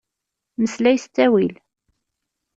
Meslay s ttawil.